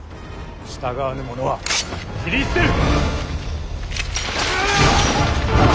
従わぬ者は斬り捨てる！